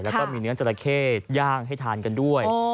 แล้วก็มีเนื้อจราเข้ย่างให้ทานกันด้วย